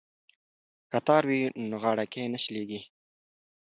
که تار وي نو غاړکۍ نه شلیږي.